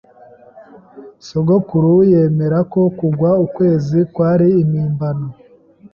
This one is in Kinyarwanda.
Sogokuru yemera ko kugwa ukwezi kwari impimbano.